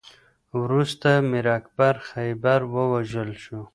وروسته میر اکبر خیبر ووژل شو.